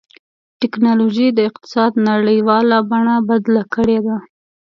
ټکنالوجي د اقتصاد نړیواله بڼه بدله کړې ده.